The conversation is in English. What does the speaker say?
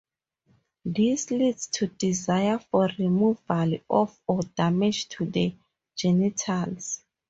This leads to desire for removal of or damage to the genitals.